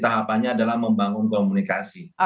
tahapannya adalah membangun komunikasi